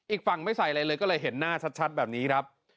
อีกฝั่งไม่ใส่อะไรเลยก็เลยเห็นหน้าชัดแบบนี้ครับ